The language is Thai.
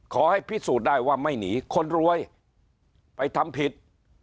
ขอให้พิสูจน์ได้ว่าไม่หนีคนรวยไปทำผิด